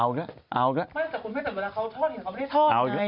ไม่แต่คุณไม่แต่เวลาเขาทอดเห็นเขาไม่ได้ทอดไง